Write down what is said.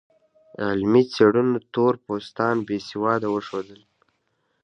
علمي څېړنو تور پوستان بې سواده وښودل.